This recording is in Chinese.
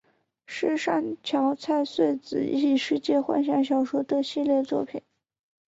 是上桥菜穗子异世界幻想小说的系列作品。